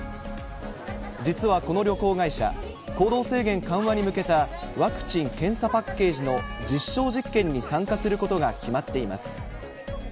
実はこの旅行会社、行動制限緩和に向けたワクチン・検査パッケージの実証実験に参加することが決まっています。